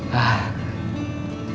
dadang masih disini